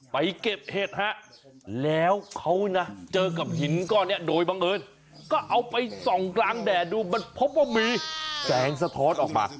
ไปเก็บเห็ดฮะแล้วเขานะเจอกับหินก้อนนี้โดยบังเอิญก็เอาไปส่องกลางแดดดูมันพบว่ามีแสงสะท้อนออกมา